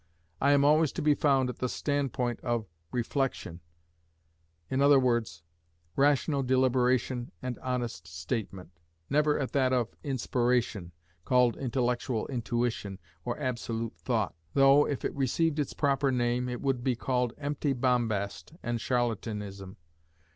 I am always to be found at the standpoint of reflection, i.e., rational deliberation and honest statement, never at that of inspiration, called intellectual intuition, or absolute thought; though, if it received its proper name, it would be called empty bombast and charlatanism.